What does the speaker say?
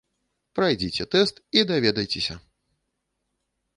Прайдзіце тэст і даведайцеся!